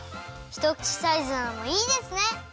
ひとくちサイズなのもいいですね。